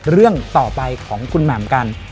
เรื่องต่อไปของคุณแหม่มกัน